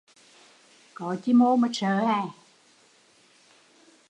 Có chi mô mà sợ